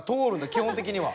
基本的には。